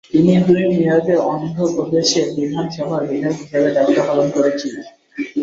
তিনি দুই মেয়াদে অন্ধ্র প্রদেশ বিধানসভার বিধায়ক হিসেবে দায়িত্ব পালন করেছিলেন।